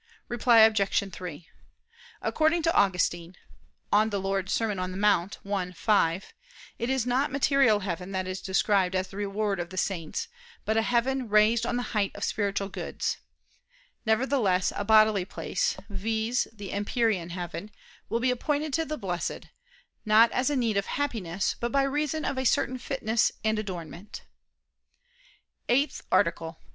Reply Obj. 3: According to Augustine (De Serm. Dom. in Monte i, 5), it is not material heaven that is described as the reward of the saints, but a heaven raised on the height of spiritual goods. Nevertheless a bodily place, viz. the empyrean heaven, will be appointed to the Blessed, not as a need of Happiness, but by reason of a certain fitness and adornment. ________________________ EIGHTH ARTICLE [I II, Q. 4, Art.